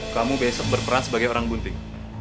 kamu besok berperan sebagai orang bunting